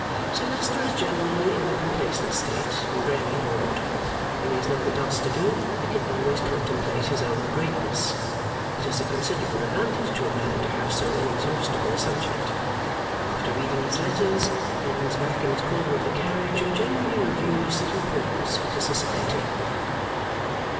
Sir Leicester is generally in a complacent state, and rarely bored. When he has nothing else to do, he can always contemplate his own greatness. It is a considerable advantage to a man to have so inexhaustible a subject. After reading his letters, he leans back in his corner of the carriage and generally reviews his importance to society.